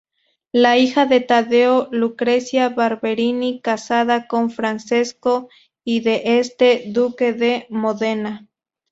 La hija de Taddeo, Lucrezia Barberini, casada con Francesco I d'Este, Duque de Modena.